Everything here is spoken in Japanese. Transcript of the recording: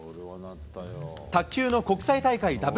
卓球の国際大会ＷＴＴ。